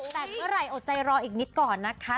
แต่เมื่อไหร่อดใจรออีกนิดก่อนนะคะ